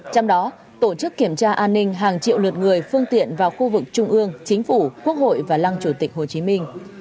trong đó tổ chức kiểm tra an ninh hàng triệu lượt người phương tiện vào khu vực trung ương chính phủ quốc hội và lăng chủ tịch hồ chí minh